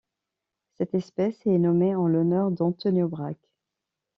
Cette espèce est nommée en l'honneur d'Antonio Brack.